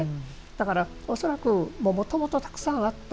だから、恐らく、もともとたくさんあった。